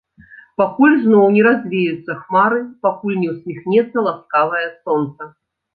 Пакуль зноў не развеюцца хмары, пакуль не ўсміхнецца ласкавае сонца.